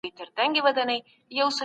اساسي حقوق بايد هر چا ته ورسيږي.